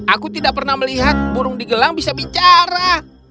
aku tidak pernah melihat burung di gelang bisa bicara